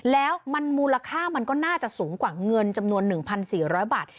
แล้วมันมูลค่ามันก็น่าจะสูงกว่าเงินจำนวน๑๔๐๐บาท